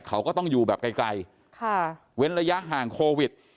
เขาก็ต้องอยู่แบบไกลเว้นระยะห่างโควิด